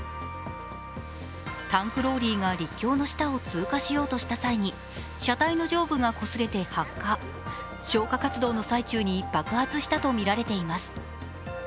タンクローリーが陸橋の下を通過しようとした際に車体の上部がこすれて発火、消火活動の最中に爆発したとみられています。